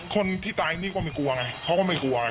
คนที่ตายนี่ก็ไม่กลัวไงเขาก็ไม่กลัว